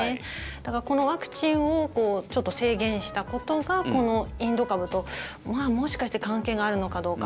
だから、このワクチンを制限したことがインド株と、もしかして関係があるのかどうか。